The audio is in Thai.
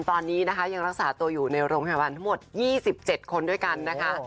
ตอนนี้นะคะยังรักษาตัวอยู่ในโรงพยาบาลทั้งหมด๒๗คนด้วยกันนะคะ